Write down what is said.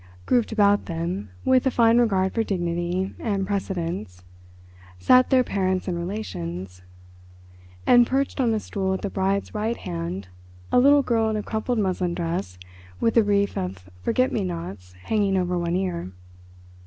Grouped about them, with a fine regard for dignity and precedence, sat their parents and relations; and perched on a stool at the bride's right hand a little girl in a crumpled muslin dress with a wreath of forget me nots hanging over one ear.